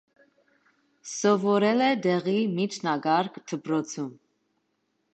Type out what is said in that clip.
Սովորել է տեղի միջնակարգ դպրոցում։